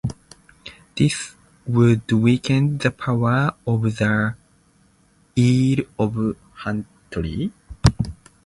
This would weaken the power of the Earl of Huntly.